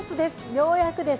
ようやくです。